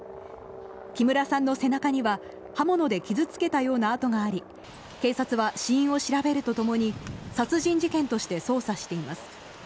木村さんの背中には刃物で傷つけたような痕があり警察は死因を調べるとともに殺人事件として捜査しています。